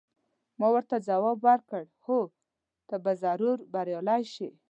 ما ورته ځواب ورکړ: هو، ته به ضرور بریالۍ شې.